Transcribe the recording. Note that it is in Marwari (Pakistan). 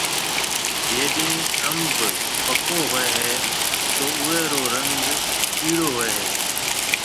جيڏيَ انڀ پڪو هوئي هيَ تو اوئي رو رنگ پِيڙو هوئي هيَ۔